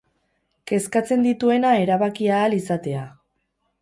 Kezkatzen dituena erabaki ahal izatea.